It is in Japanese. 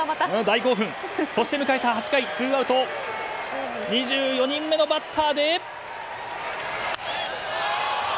そして迎えた８回ツーアウト２４人目のバッターで。